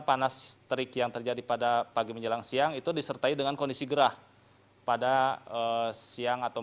panas terik yang terjadi pada pagi menjelang siang itu disertai dengan kondisi gerah pada siang atau